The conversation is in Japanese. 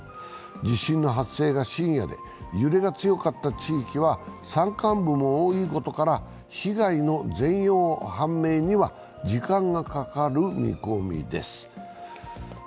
地震の発生が深夜で、揺れが強かった地域は山間部も多いことから被害の全容判明には時間がかかる見込みです。